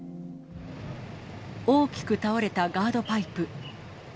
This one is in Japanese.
大きく倒れたガードパイプ。